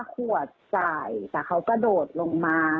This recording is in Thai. ขวดจ่ายแต่เขากระโดดลงมา